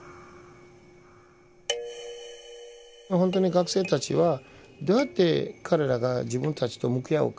本当に学生たちはどうやって彼らが自分たちと向き合うか。